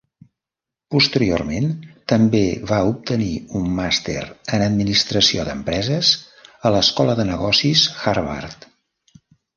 Posteriorment també va obtenir un Màster en administració d'empreses a l'Escola de Negocis Harvard.